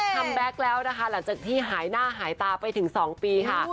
แบ็คแล้วนะคะหลังจากที่หายหน้าหายตาไปถึง๒ปีค่ะ